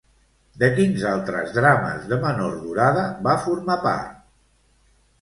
De quins altres drames de menor durada va formar part?